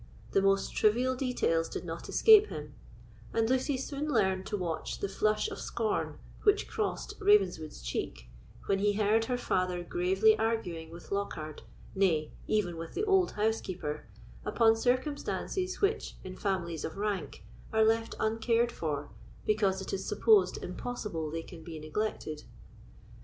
The most trivial details did not escape him; and Lucy soon learned to watch the flush of scorn which crossed Ravenswood's cheek, when he heard her father gravely arguing with Lockhard, nay, even with the old housekeeper, upon circumstances which, in families of rank, are left uncared for, because it is supposed impossible they can be neglected.